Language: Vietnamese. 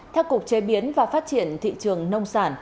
theo cục chế biến và phát triển thị trường nông sản